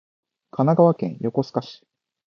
神奈川県横須賀市